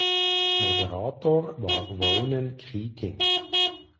Moderator war Ronan Keating.